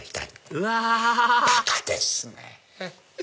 うわバカですねぇ！